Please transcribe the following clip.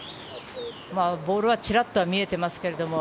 ボールはチラッとは見えていますけど